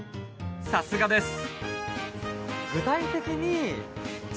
さすがです。